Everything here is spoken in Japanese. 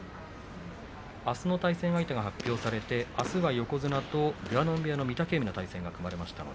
あすの対戦相手が発表されてあすは横綱と出羽海部屋の御嶽海と対戦が組まれました。